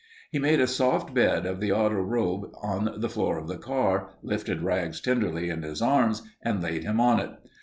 He made a soft bed of the auto robe on the floor of the car, lifted Rags tenderly in his arms, and laid him on it.